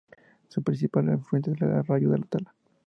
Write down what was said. Su principal afluente es el arroyo del Tala.